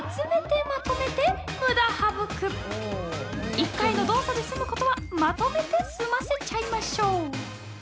１回の動作で済むことはまとめて済ませちゃいましょう！